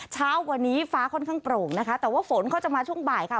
เช้าวันนี้ฟ้าค่อนข้างโปร่งนะคะแต่ว่าฝนเขาจะมาช่วงบ่ายค่ะ